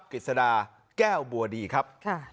กิจสดาแก้วบัวดีครับ